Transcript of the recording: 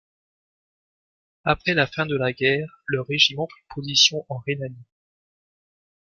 Après la fin de la guerre, le régiment prit position en Rhénanie.